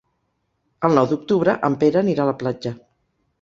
El nou d'octubre en Pere anirà a la platja.